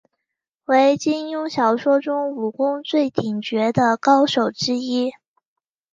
为金庸小说中武功最绝顶的高手之一。